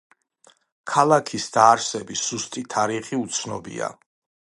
ქალაქის დაარსების ზუსტი თარიღი უცნობია.